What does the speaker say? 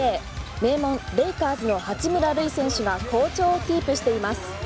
名門レイカーズの八村塁選手が好調をキープしています。